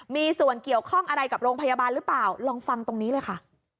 มีส่วนเกี่ยวข้องอะไรกับโรงพยาบาลหรือเปล่าลองฟังตรงนี้เลยค่ะ